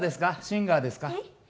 シンガーですか？